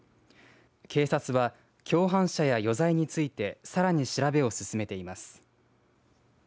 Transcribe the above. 警察は、共犯者や余罪についてさらに調べを進めています。